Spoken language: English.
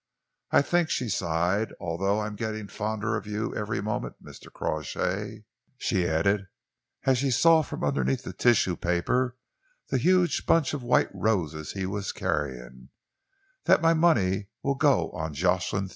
"I think," she sighed, "although I am getting fonder of you every moment, Mr. Crawshay," she added, as she saw from underneath the tissue paper the huge bunch of white roses he was carrying, "that my money will go on Jocelyn Thew."